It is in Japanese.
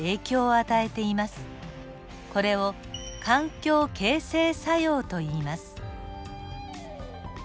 これを環境形成作用といいます。